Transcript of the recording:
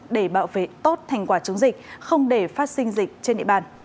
để bảo vệ tốt thành quả chống dịch không để phát sinh dịch trên địa bàn